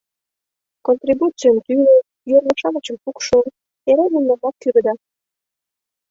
Контрибуцийым тӱлӧ, йорло-шамычым пукшо — эре мемнамак кӱрыда.